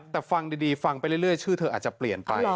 แต่ฟังดีฟังไปเรื่อยชื่อเธออาจจะเปลี่ยนไป